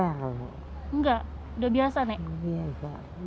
kaget nggak enggak udah biasa nek